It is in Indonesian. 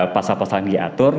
pasal pasal yang diatur